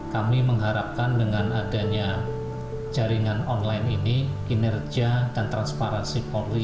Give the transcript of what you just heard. kami mengharapkan dengan adanya jaringan online ini kinerja dan transparansi polri